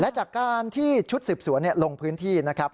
และจากการที่ชุดสืบสวนลงพื้นที่นะครับ